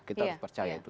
kita harus percaya itu